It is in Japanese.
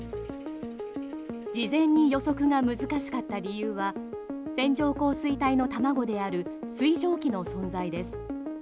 事前に予測が難しかった理由は線状降水帯の卵である水蒸気の存在です。